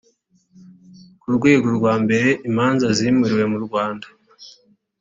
ku rwego rwa mbere imanza zimuriwe mu rwanda